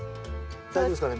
大丈夫ですかね？